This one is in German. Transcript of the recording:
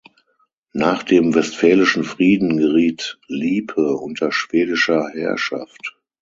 Nach dem Westfälischen Frieden geriet Liepe unter schwedischer Herrschaft.